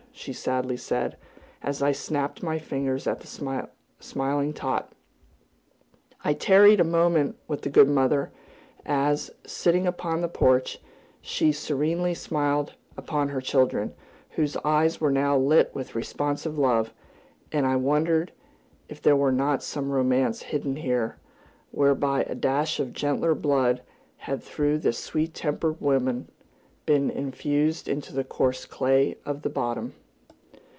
she sadly said, as I snapped my fingers at the smiling tot. I tarried a moment with the good mother, as, sitting upon the porch, she serenely smiled upon her children, whose eyes were now lit with responsive love; and I wondered if there were not some romance hidden here, whereby a dash of gentler blood had through this sweet tempered woman been infused into the coarse clay of the bottom.